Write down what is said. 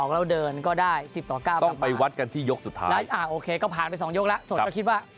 เราเดินก็ได้ต้องไปวัดกันสุดท้ายก็ผ่านไป๒ยกและ